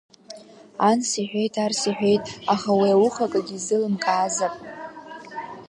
Анс иҳәеит, арс иҳәеит, аха уи ауха акагь изеилымкаазаап…